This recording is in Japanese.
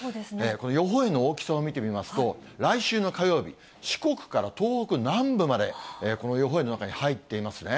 この予報円の大きさを見てみますと、来週の火曜日、四国から東北南部まで、この予報円の中に入っていますね。